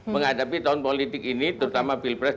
menghadapi tahun politik ini terutama pilpres dua ribu sembilan